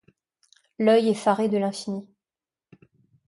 L'oeil effaré de l'infini ;